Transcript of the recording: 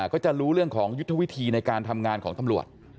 ก็จะรู้เรื่องของยุทธวิธีในการทำงานของตำรวจ